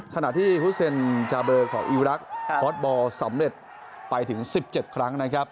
ขณะที่ฮุเซนชาเบอร์ของอิรักษ์ฟอร์ตบอลสำเร็จไปถึง๑๗ครั้งนะครับ